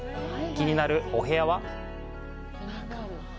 気になるお部屋は。